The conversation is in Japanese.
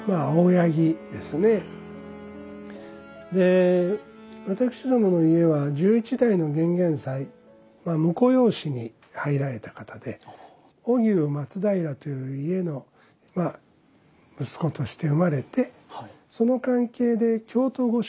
で私どもの家は十一代の玄々斎まあ婿養子に入られた方で大給松平という家のまあ息子として生まれてその関係で京都御所。